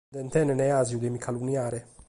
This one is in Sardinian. Nde tenent àsiu de mi calunniare!